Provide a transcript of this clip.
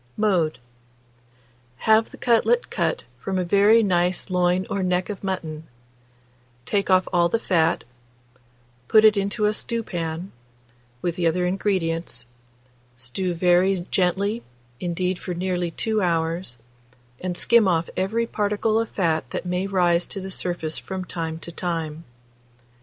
Mode. Have the cutlet cut from a very nice loin or neck of mutton; take off all the fat; put it into a stewpan, with the other ingredients; stew very gently indeed for nearly 2 hours, and skim off every particle of fat that may rise to the surface from time to time.